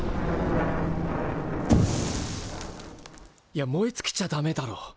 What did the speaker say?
いや燃えつきちゃダメだろ。